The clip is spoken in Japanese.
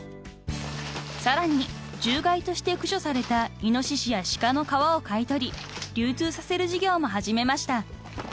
［さらに獣害として駆除されたイノシシや鹿の皮を買い取り流通させる事業も始めました］